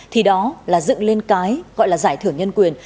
thì đó là dựng lên cái gọi là giải thưởng nhân quyền